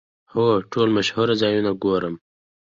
هو، ټول مشهور ځایونه ګورم